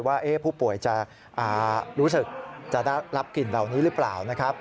ว่าผู้ป่วยจะรู้สึกจะได้รับกลิ่นเหล่านี้หรือเปล่านะครับ